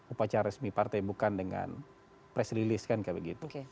upacara resmi partai bukan dengan press release kan kayak begitu